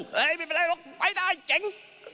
เฮ้ยไม่เป็นไรไปได้เจ๋ง